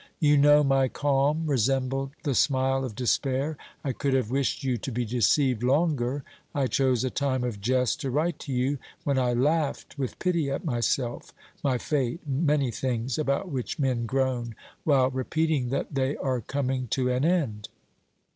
You know my calm resembled the smile of despair ; I could have wished you to be deceived longer. I chose a time of jest to write to you ... when I laughed with pity at myself, my fate, many things about which men groan, while re peating that they are coming to an end.